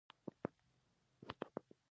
هغوی به معمولاً د اور له ګټې پرته ژوند تېراوه.